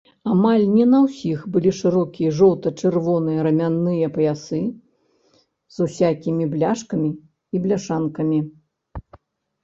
Амаль не на ўсіх былі шырокія, жоўта-чырвоныя раменныя паясы, з усякімі бляшкамі і бляшанкамі.